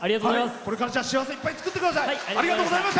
これから幸せいっぱい作ってください。